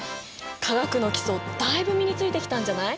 化学の基礎だいぶ身についてきたんじゃない？